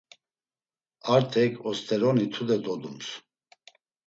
Artek osteroni tude dodums.